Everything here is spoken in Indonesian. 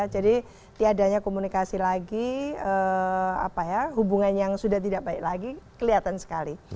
jadi tiadanya komunikasi lagi hubungan yang sudah tidak baik lagi kelihatan sekali